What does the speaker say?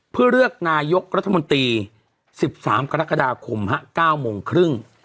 เพื่อเลือกนายกรัฐมนตรี๑๓กรกฎาคม๙โมงครึ่ง